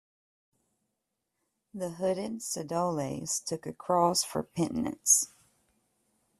The hooded "Sodales" took a cross for penitence.